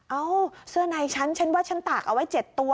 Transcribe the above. เอ้าเสื้อในฉันฉันว่าฉันตากเอาไว้๗ตัว